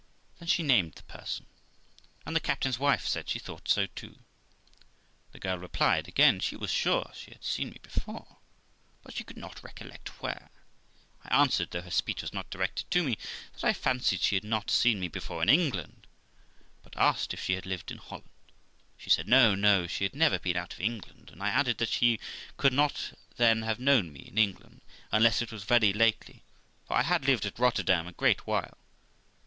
Then she named the person, and the captain's wife said she thought so too. The girl replied again, she was sure she had seen me before, but she could not recollect where; I answered (though her speech was not directed to me) that I fancied she had not seen me before in England, but asked if she had lived in Holland. She said, No, no, she had never been out of England, and I added, that she could not then have known me in England, unless it was very lately, for I had lived at Rotterdam a great while.